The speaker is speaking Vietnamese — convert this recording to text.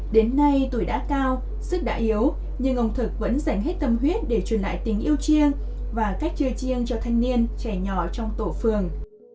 đến nay tuổi đã cao sức đã yếu nhưng ông thực vẫn dành hết tâm huyết để truyền lại tình yêu chiêng và cách chơi chiêng cho thanh niên trẻ nhỏ trong tổ phường